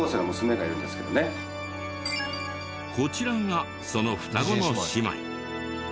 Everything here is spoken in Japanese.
こちらがその双子の姉妹。